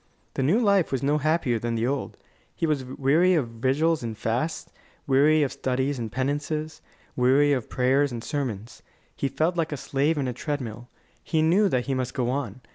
The new life was no happier than the old. He was weary of vigils and fasts, weary of studies and penances, weary of prayers and sermons. He felt like a slave in a treadmill. He knew that he must go on.